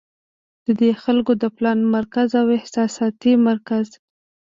د دې خلکو د پلان مرکز او احساساتي مرکز